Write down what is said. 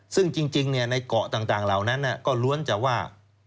ซึ่งจริงในเกาะต่างเหล่านั้นก็ล้วนจะว่า